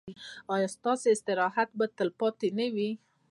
ایا ستاسو استراحت به تلپاتې نه وي؟